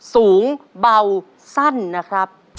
สูงเบาสั้นนะครับ